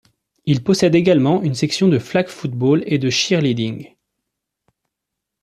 Il possède également une section de flag football et de cheerleading.